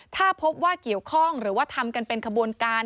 ถ้าพบว่าเกี่ยวข้องหรือว่าทำกันเป็นขบวนการ